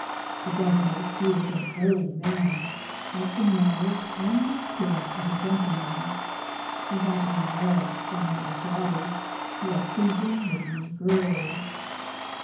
The Governor, who is an old map, has the manners and the appearance of a gentleman: he has a large family of daughters, who are pleasing looking girls.